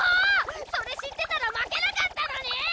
それ知ってたら負けなかったのに！